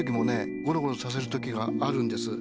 ゴロゴロさせる時があるんです。